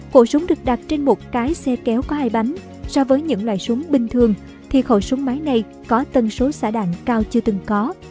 khẩu súng được đặt trên một cái xe kéo có hai bánh so với những loại súng bình thường thì khẩu súng máy này có tân số xả đạn cao chưa từng có